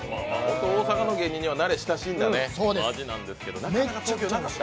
大阪の芸人には慣れ親しんだ味なんですけど。